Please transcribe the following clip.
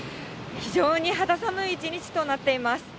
非常に肌寒い一日となっています。